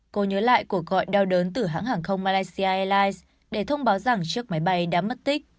cô nhớ lại cuộc gọi down từ hãng hàng không malaysia airlines để thông báo rằng chiếc máy bay đã mất tích